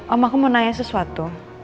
oh aku mau nanya sesuatu